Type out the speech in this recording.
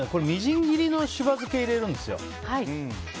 みじん切りのしば漬け入れるんですよ。